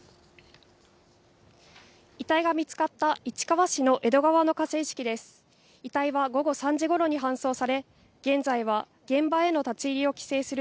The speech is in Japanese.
遺体が見つかった、市川市の江戸川の河川敷です。